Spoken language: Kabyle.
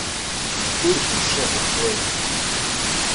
Ur d-usiɣ ɣef waya.